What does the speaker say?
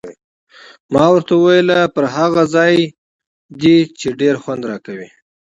ما ورته وویل: پر هغه ځای دې، چې ډېر خوند راکوي.